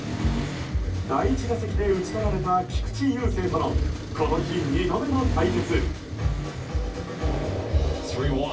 第１打席で打ち取られた菊池雄星とのこの日２度目の対決。